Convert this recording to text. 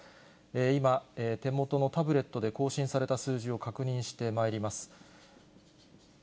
今、手元のタブレットで更新された数字を確認してまいります。